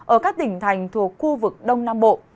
ở các tỉnh thành thuộc khu vực đông nam bộ